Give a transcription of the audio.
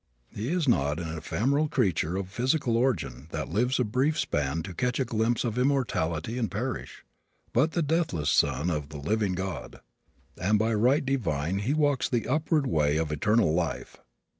He is not an ephemeral creature of physical origin that lives a brief span to catch a glimpse of immortality and perish, but the deathless son of the living God, and by right divine he walks the upward way of eternal life.